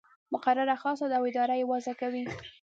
مقرره خاصه ده او اداره یې وضع کوي.